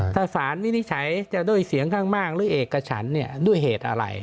ถ้าสารวินิจฉัยจะด้วยเสียงข้างมากหรือเอกฉันด้วยเหตุอะไร